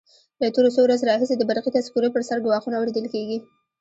له تېرو څو ورځو راهیسې د برقي تذکرو پر سر ګواښونه اورېدل کېږي.